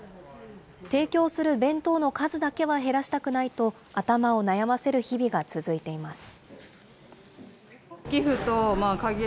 提供する弁当の数だけは減らしたくないと、頭を悩ませる日々が続いています。